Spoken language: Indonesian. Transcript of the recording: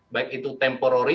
baik itu temporori